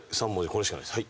これしかないです。